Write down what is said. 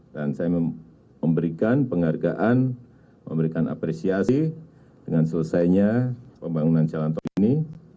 dan saya memberikan penghargaan memberikan apresiasi dengan selesainya pembangunan jalan tol ini